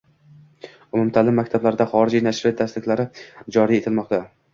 Umumta’lim maktablarida xorijiy nashriyot darsliklari joriy etilmoqdang